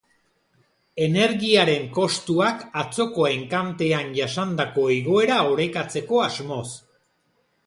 Energiaren kostuak atzoko enkantean jasandako igoera orekatzeko asmoz.